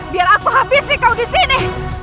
biar aku habisi kau disini